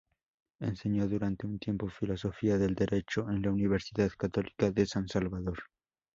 Enseñó durante un tiempo filosofía del derecho en la Universidad Católica de San Salvador.